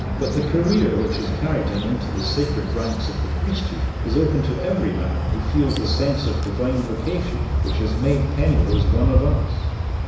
But the career which has carried him into the sacred ranks of the priesthood is open to every man who feels the sense of divine vocation, which has made Penrose one of Us."